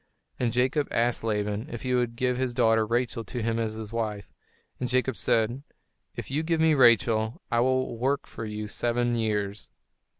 And Jacob asked Laban if he would give his daughter, Rachel, to him as his wife; and Jacob said, "If you give me Rachel, I will work for you seven years."